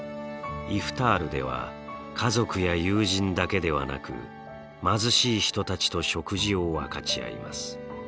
イフタールでは家族や友人だけではなく貧しい人たちと食事を分かち合います。